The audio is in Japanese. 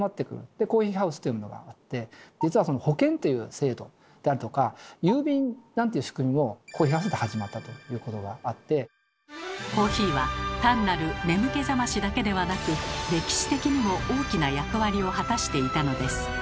でコーヒーハウスというものがあって実は保険という制度であるとか郵便なんていう仕組みもコーヒーは単なる眠気覚ましだけではなく歴史的にも大きな役割を果たしていたのです。